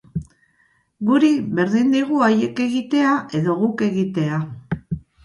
Guri berdin digu haiek egitea edo guk egitea.